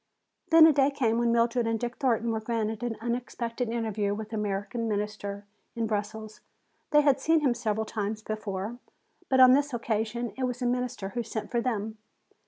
Then a day came when Mildred and Dick Thornton were granted an unexpected interview with the American Minister in Brussels. They had seen him several times before, but on this occasion it was the Minister who sent for them.